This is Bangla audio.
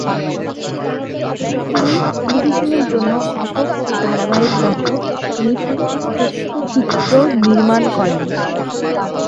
তিনি টেলিভিশনের জন্য একক ও ধারাবাহিক নাটক, টেলিফিল্ম, তথ্যচিত্র নির্মাণ করেন।